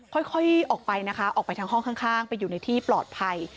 ค่อยออกไปนะคะออกไปทางห้องข้างไปอยู่ในที่ปลอดภัย